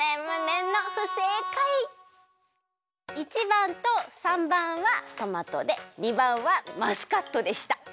１ばんと３ばんはトマトで２ばんはマスカットでした。